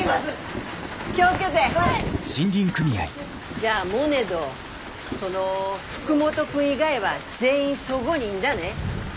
じゃあモネどその福本君以外は全員そごにいんだね？